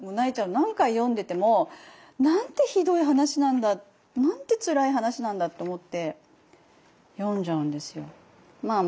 何回読んでてもなんてひどい話なんだなんてつらい話なんだって思って読んじゃうんですよ。